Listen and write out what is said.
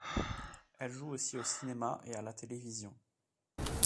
Elle joue aussi au cinéma et à la télévision.